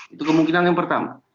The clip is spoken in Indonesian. itu kemungkinan yang pertama